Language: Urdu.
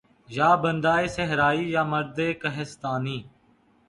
یا بندہ صحرائی یا مرد کہستانی